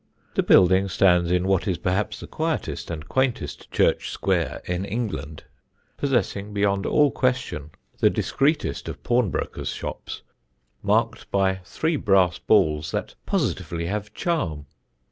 The building stands in what is perhaps the quietest and quaintest church square in England, possessing beyond all question the discreetest of pawnbroker's shops, marked by three brass balls that positively have charm.